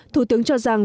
thủ tướng cho rằng